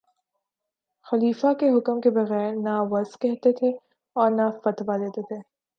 خلیفہ کے حکم کے بغیر نہ وعظ کہتے تھے اور نہ فتویٰ دیتے تھے